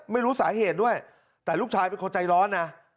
ไม่รู้สาเหตุด้วยแต่ลูกชายเป็นคนใจร้อนนะ